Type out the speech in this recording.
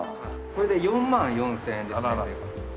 これで４万４０００円ですね。